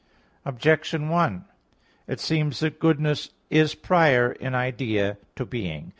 Objection 1: It seems that goodness is prior in idea to being.